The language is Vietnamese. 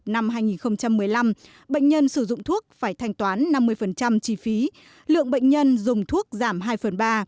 năm hai nghìn một mươi năm bệnh nhân sử dụng thuốc phải thanh toán năm mươi chi phí lượng bệnh nhân dùng thuốc giảm hai phần ba